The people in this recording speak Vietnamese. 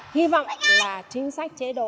hy vọng là chính sách chế độ